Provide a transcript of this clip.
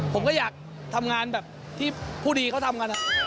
ผมก็อยากทำงานแบบที่ผู้ดีเขาทำกัน